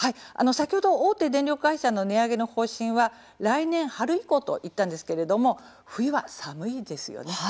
先ほど大手電力会社の値上げの方針は来年、春以降と言ったんですけれども冬は寒いですよね。